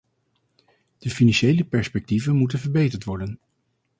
De financiële perspectieven moeten verbeterd worden.